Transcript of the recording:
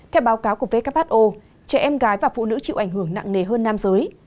theo báo cáo của who trẻ em gái và phụ nữ chịu ảnh hưởng nặng nề hơn nam giới